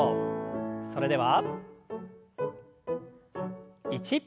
それでは１。